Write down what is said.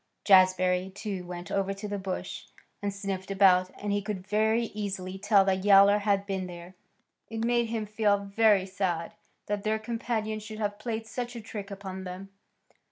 Jazbury, too, went over to the bush and sniffed about, and he could very easily tell that Yowler had been there. It made him feel very sad that their companion should have played such a trick upon them.